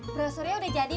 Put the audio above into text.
proesurnya udah jadi